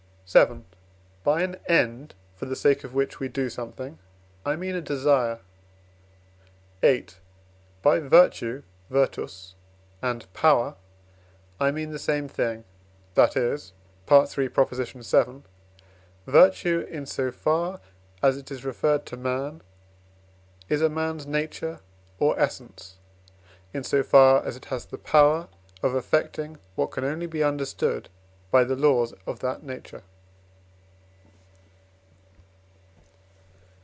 VII. By an end, for the sake of which we do something, I mean a desire. VIII. By virtue (virtus) and power I mean the same thing; that is (III. vii), virtue, in so far as it is referred to man, is a man's nature or essence, in so far as it has the power of effecting what can only be understood by the laws of that nature.